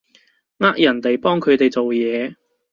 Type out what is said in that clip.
呃人哋幫佢哋做嘢